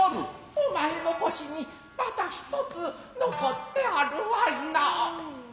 お前の腰にまだ一つ残ってあるわいナ。